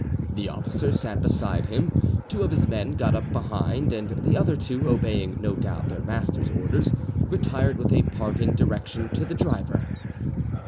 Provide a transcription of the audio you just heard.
The officer sat beside him, two of his men got up behind, and the other two, obeying no doubt their master's orders, retired with a parting direction to the driver.